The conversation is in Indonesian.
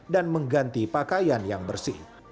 dan mengganti pakaian yang bersih